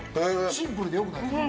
シンプルでよくないですか？